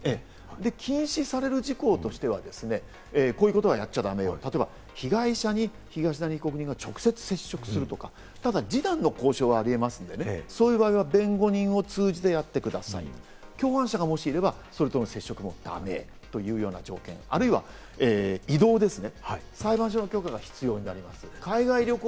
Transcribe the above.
禁止される事項としては、こういうことはやっちゃ駄目よ、例えば、被害者に東谷被告が直接接触するとか、ただ示談の交渉はあり得ますので、そういう場合は弁護人を通じてやってくださいと、共犯者がもしいれば、そちらとの接触もダメ、あるいは移動ですね。